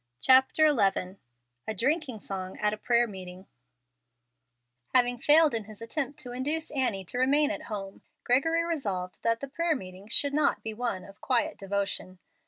CHAPTER XI A DRINKING SONG AT A PRAYER MEETING Having failed in his attempt to induce Annie to remain at home, Gregory resolved that the prayer meeting should not be one of quiet devotion.